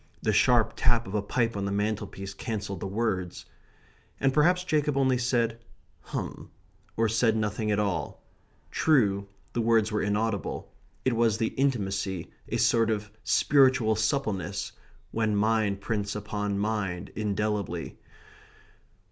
The sharp tap of a pipe on the mantelpiece cancelled the words. And perhaps Jacob only said "hum," or said nothing at all. True, the words were inaudible. It was the intimacy, a sort of spiritual suppleness, when mind prints upon mind indelibly.